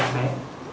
thì xin mời